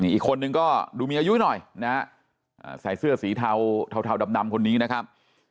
อีกคนนึงก็ดูมีอายุหน่อยนะฮะใส่เสื้อสีเทาดำคนนี้นะครับ